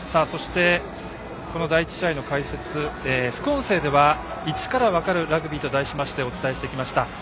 そして、この第１試合の副音声では「イチからわかるラグビー」と題しましてお伝えしてきました。